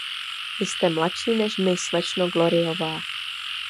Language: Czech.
Jste mladší než my, slečno Gloryová.